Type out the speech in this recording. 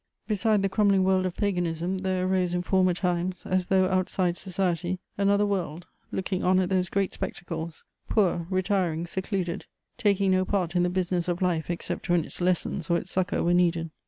Beside the crumbling world of paganism there arose, in former times, as though outside society, another world, looking on at those great spectacles, poor, retiring, secluded, taking no part in the business of life except when its lessons or its succour were needed.